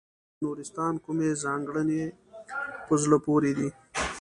د نورستان کومې ځانګړنې په زړه پورې دي.